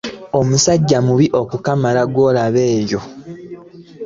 Musajja mubi okukamala gw'olaba oyo.